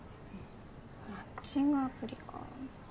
マッチングアプリかぁ。